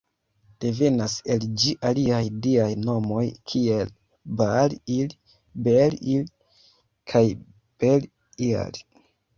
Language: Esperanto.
Devenas el ĝi aliaj diaj nomoj kiel "Baal-il", "Bel-il", kaj "Bel-ial".